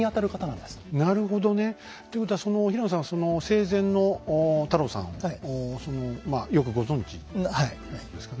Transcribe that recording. なるほどね。ということはその平野さんは生前の太郎さんをよくご存じなんですかね。